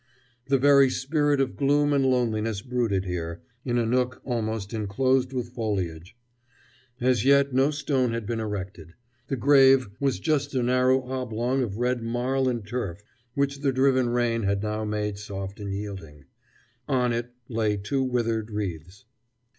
The very spirit of gloom and loneliness brooded here, in a nook almost inclosed with foliage. As yet no stone had been erected. The grave was just a narrow oblong of red marl and turf, which the driven rain now made soft and yielding. On it lay two withered wreaths.